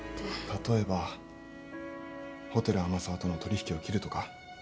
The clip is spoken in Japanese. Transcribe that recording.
例えばホテル天沢との取引を切るとか。